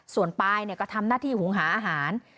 ส่วนปลายก็ทำหน้าที่หุงหาอาหาร